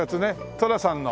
寅さんの。